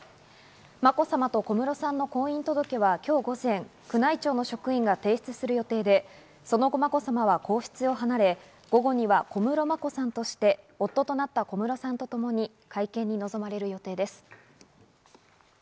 まこさまと小室さんの婚姻届はきょう午前、宮内庁の職員が提出する予定で、その後、まこさまは皇室を離れ、午後には小室まこさんとして夫となった小室さんとともに会見に臨まれる予定です。